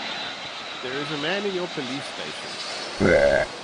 There is a man in your police station.